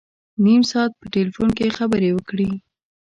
نیم ساعت په ټلفون کې خبري وکړې.